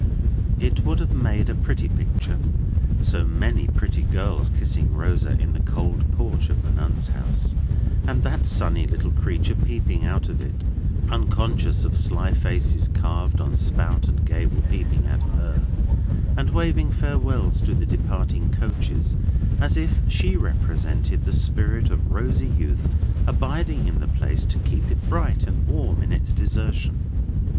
It would have made a pretty picture, so many pretty girls kissing Rosa in the cold porch of the Nuns' House, and that sunny little creature peeping out of it (unconscious of sly faces carved on spout and gable peeping at her), and waving farewells to the departing coaches, as if she represented the spirit of rosy youth abiding in the place to keep it bright and warm in its desertion.